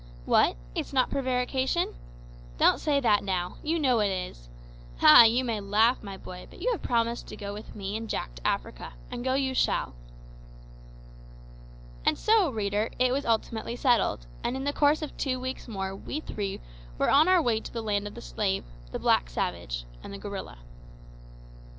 What? `It's not prevarication!' Don't say that now; you know it is. Ah! you may laugh, my boy, but you have promised to go with me and Jack to Africa, and go you shall." And so, reader, it was ultimately settled, and in the course of two weeks more we three were on our way to the land of the slave, the black savage, and the gorilla.